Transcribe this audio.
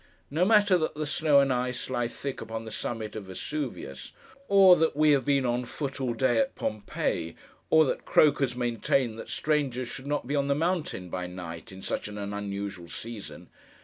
No matter that the snow and ice lie thick upon the summit of Vesuvius, or that we have been on foot all day at Pompeii, or that croakers maintain that strangers should not be on the mountain by night, in such an unusual season.